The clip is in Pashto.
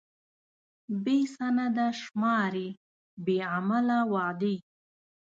بې سنده شمارې، بې عمله وعدې.